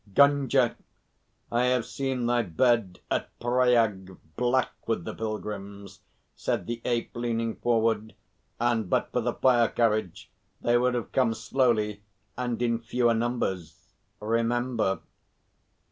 "Gunga, I have seen thy bed at Pryag black with the pilgrims," said the Ape, leaning forward, "and but for the fire carriage they would have come slowly and in fewer numbers. Remember."